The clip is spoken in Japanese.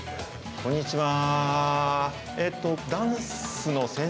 こんにちは。